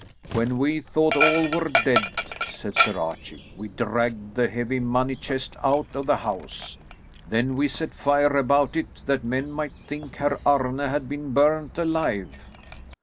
"When we thought all were dead," said Sir Archie, "we dragged the heavy money chest out of the house. Then we set fire about it, that men might think Herr had been burnt alive."